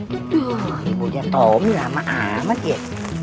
waduh ibunya tommy lama amat ye